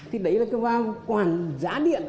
thì đấy là cái quản giá điện